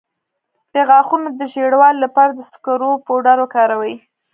د غاښونو د ژیړوالي لپاره د سکرو پوډر وکاروئ